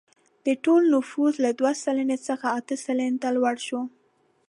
د ټول نفوس له دوه سلنې څخه اته سلنې ته لوړ شو.